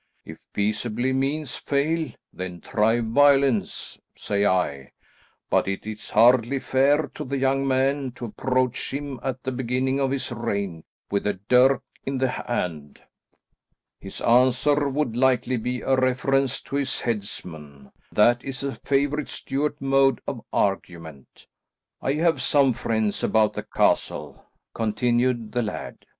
If peaceable means fail, then try violence, say I, but it is hardly fair to the young man to approach him at the beginning of his reign with a dirk in the hand. His answer would likely be a reference to his headsman; that is a favourite Stuart mode of argument. I have some friends about the castle," continued the laird.